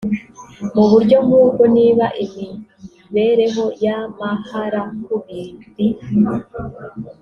mu buryo nkubwo niba imibereho y amaharakubiri